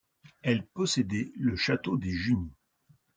Elle possédait le château des Junies.